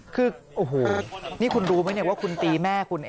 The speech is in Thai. คือโอ้โหนี่คุณรู้ไหมว่าคุณตีแม่คุณ